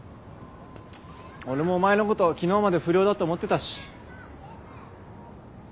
俺もお前のこと昨日まで不良だと思ってたし。